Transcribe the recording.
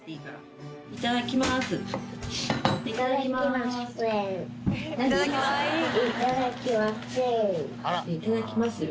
いただきますよ。